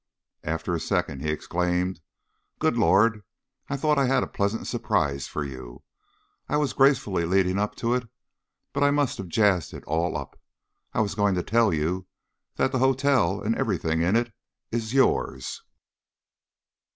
After a second he exclaimed: "Good Lord! I thought I had a pleasant surprise for you, and I was gracefully leading up to it, but I must have jazzed it all up. I was going to tell you that the hotel and everything in it is yours."